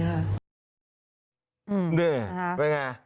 อือเป็นไง